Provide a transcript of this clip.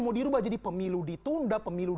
mau dirubah jadi pemilu ditunda pemilu